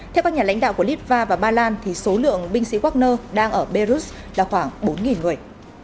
theo các nhà lãnh đạo của litva và ba lan số lượng binh sĩ wagner đang ở belarus là khoảng bốn người